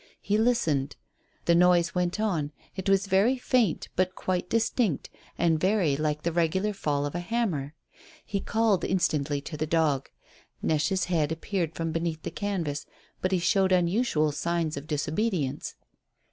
He listened. The noise went on. It was very faint but quite distinct, and very like the regular fall of a hammer. He called instantly to the dog. Neche's head appeared from beneath the canvas, but he showed unusual signs of disobedience.